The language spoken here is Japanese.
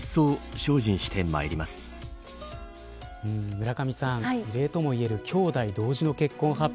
村上さん、異例ともいえる兄弟同時の結婚発表。